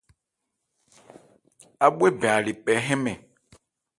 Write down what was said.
Ábhwe bɛn a le pɛ hɛ́nmɛn.